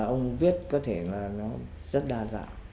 ông viết có thể rất đa dạng